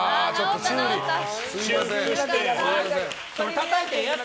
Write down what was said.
たたいてええやつ？